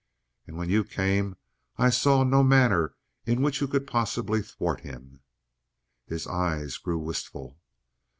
"And when you came, I saw no manner in which you could possibly thwart him." His eyes grew wistful.